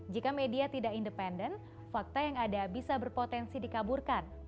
jika media tidak independen fakta yang ada bisa berpotensi dikaburkan